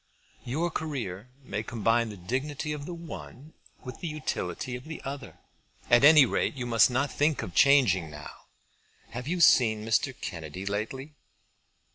"Your career may combine the dignity of the one with the utility of the other. At any rate you must not think of changing now. Have you seen Mr. Kennedy lately?"